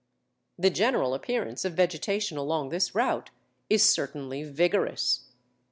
"The general appearance of vegetation along this route is certainly vigorous."